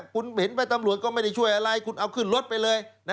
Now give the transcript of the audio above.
คุณเห็นไหมตำรวจก็ไม่ได้ช่วยอะไรคุณเอาขึ้นรถไปเลย